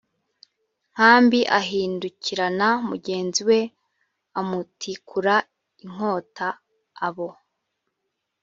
nkambi ahindukirana mugenzi we amutikura inkota abo